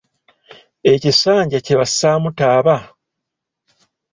Ekisanja kye bassaamu taba?